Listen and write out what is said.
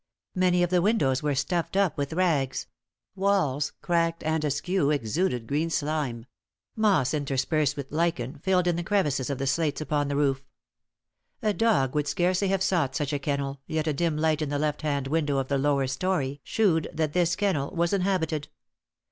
Many of the windows were stuffed up with rags; walls, cracked and askew, exuded green slime; moss interspersed with lichen, filled in the crevices of the slates upon the roof. A dog would scarcely have sought such a kennel, yet a dim light in the left hand window of the lower storey shewed that this kennel was inhabited.